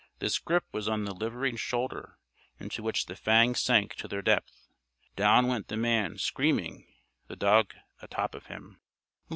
This grip was on the liveried shoulder, into which the fangs sank to their depth. Down went the man, screaming, the dog atop of him.